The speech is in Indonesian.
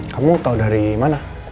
kamu tau dari mana